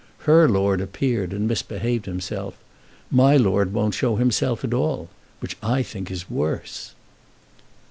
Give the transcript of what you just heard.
Her lord appeared and misbehaved himself; my lord won't show himself at all, which I think is worse."